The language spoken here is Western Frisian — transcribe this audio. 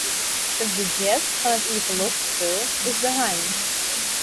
It budzjet fan it iepenloftspul is beheind.